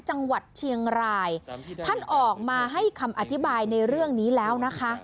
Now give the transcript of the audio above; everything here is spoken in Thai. จังหวัดเชียงรายท่านออกมาให้คำอธิบายในเรื่องนี้แล้วนะคะ